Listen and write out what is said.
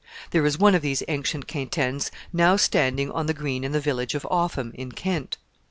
There is one of these ancient quintaines now standing on the green in the village of Offham, in Kent.